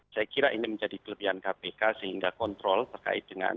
saya kira ini menjadi kelebihan kpk sehingga kontrol terkait dengan